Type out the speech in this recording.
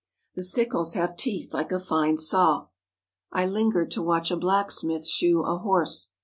The sickles have teeth like a fine saw. I lin gered to watch a blacksmith shoe a horse.